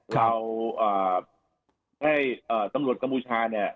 เราให้ตำรวจกัมพูชาเนี่ย